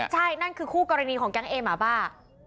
ใช่นั่นคือคู่กรณีของแก๊งเอหมาบ้า